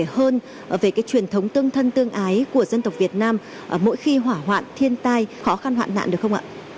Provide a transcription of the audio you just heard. vậy thì ông có thể chia sẻ cụ thể hơn về cái truyền thống tương thân tương ái của dân tộc việt nam mỗi khi hỏa hoạn thiên tai khó khăn hoạn nạn được không ạ